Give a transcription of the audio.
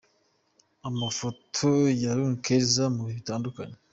Amafoto ya Linah Keza mu bihe bitandukanye:.